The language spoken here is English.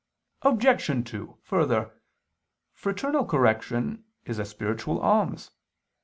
Obj. 2: Further, fraternal correction is a spiritual alms.